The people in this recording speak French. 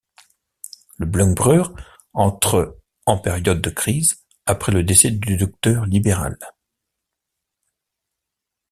Le Bleun-Brug entre en période de crise, après le décès du docteur Libéral.